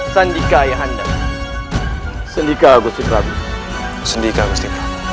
sandika yang anda sendika agustin rafiq sendika musti